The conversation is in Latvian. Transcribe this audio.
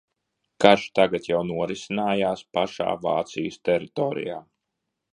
Karš tagad jau norisinājās pašā Vācijas teritorijā.